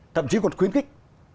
thậm chí còn khuyến khích